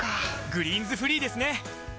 「グリーンズフリー」ですね！